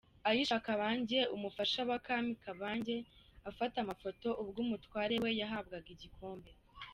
Aisha Kabange umufasha wa Kami Kabange afata amafoto ubwo umutware we yahabwaga igikombe.